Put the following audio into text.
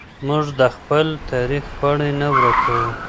موږ د خپل تاریخ پاڼې نه ورکوو.